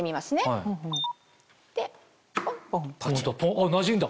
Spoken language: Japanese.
あっなじんだ。